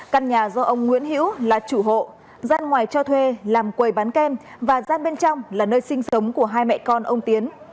căn nhà do ông nguyễn hiễu là chủ hộ gian ngoài cho thuê làm quầy bán kem và gian bên trong là nơi sinh sống của hai mẹ con ông tiến